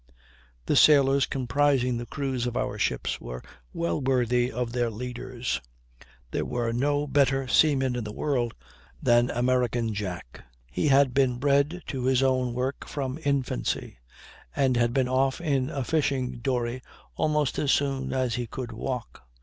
The sailors comprising the crews of our ships were well worthy of their leaders. There was no better seaman in the world than American Jack; he had been bred to his work from infancy, and had been off in a fishing dory almost as soon as he could walk.